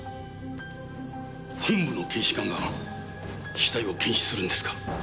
本部の検視官が死体を検視するんですか？